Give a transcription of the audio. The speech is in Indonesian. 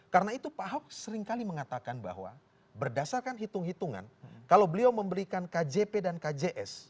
karena itu pak ahok seringkali mengatakan bahwa berdasarkan hitung hitungan kalau beliau memberikan kjp dan kjs